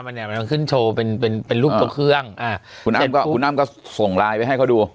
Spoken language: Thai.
มันเนี่ยมันขึ้นโชว์เป็นเป็นรูปตัวเครื่องอ่าคุณอ้ำก็คุณอ้ำก็ส่งไลน์ไปให้เขาดู